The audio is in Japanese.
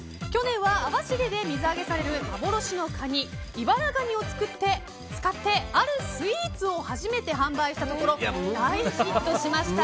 去年は網走で水揚げされる幻のカニイバラガニを使ってあるスイーツを初めて販売したところ大ヒットしました。